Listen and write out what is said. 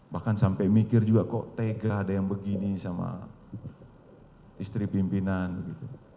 bahkan sampai mikir juga kok tega ada yang begini sama istri pimpinan begitu